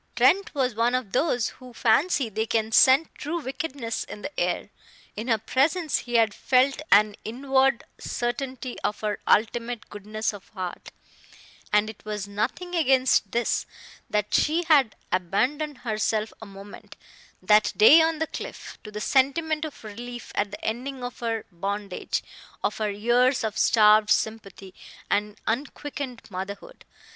Trent was one of those who fancy they can scent true wickedness in the air. In her presence he had felt an inward certainty of her ultimate goodness of heart; and it was nothing against this, that she had abandoned herself a moment, that day on the cliff, to the sentiment of relief at the ending of her bondage, of her years of starved sympathy and unquickened motherhood.